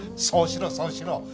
そうしろそうしろ。